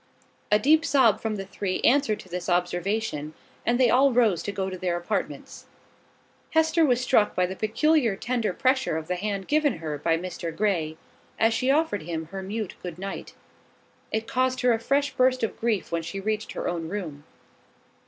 A deep sob from the three answered to this observation, and they all rose to go to their apartments. Hester was struck by the peculiar tender pressure of the hand given her by Mr Grey, as she offered him her mute good night. It caused her a fresh burst of grief when she reached her own room.